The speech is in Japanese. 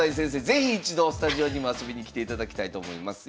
是非一度スタジオにも遊びに来ていただきたいと思います。